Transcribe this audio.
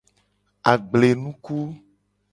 Agblenuku.